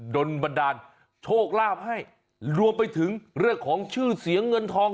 โดนบันดาลโชคลาภให้รวมไปถึงเรื่องของชื่อเสียงเงินทอง